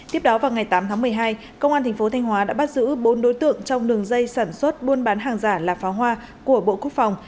tiếp đó vào ngày tám tháng một mươi hai công an tp thanh hóa đã bắt giữ bốn đối tượng trong đường dây sản xuất buôn bán hàng giả là pháo hoa của bộ quốc phòng